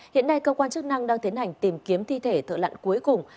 hiện nay cơ quan chức năng đang tiến hành tìm kiếm thi thể thợ lặn cuối cùng